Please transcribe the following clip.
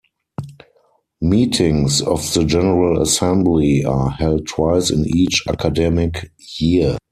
Meetings of the General Assembly are held twice in each academic year.